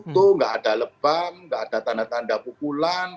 tidak ada lebam nggak ada tanda tanda pukulan